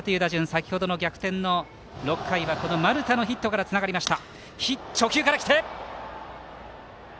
先ほどの逆転の６回は丸田のヒットからつながりました。